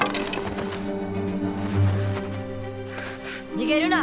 逃げるな！